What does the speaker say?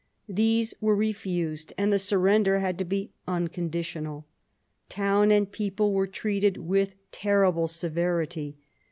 These were refused, and the surrender had to be unconditional. Town and people were treated with terrible severity.